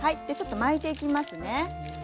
でちょっと巻いていきますね。